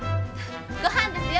ごはんですよ！